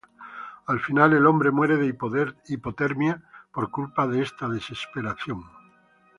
Al final, el hombre muere de hipotermia por culpa de esta desesperación.